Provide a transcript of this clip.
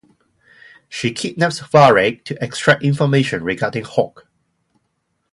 She kidnaps Varric to extract information regarding Hawke.